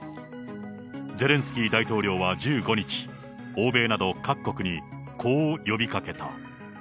ゼレンスキー大統領は１５日、欧米など各国にこう呼びかけた。